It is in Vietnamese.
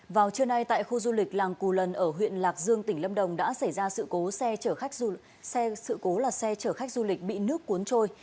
vào trưa nay tại khu du lịch làng cù lần ở huyện lạc dương tỉnh lâm đồng đã xảy ra sự cố xe chở khách du lịch bị nước cuốn trôi